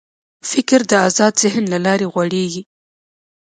فکر د آزاد ذهن له لارې غوړېږي.